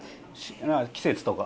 季節とか。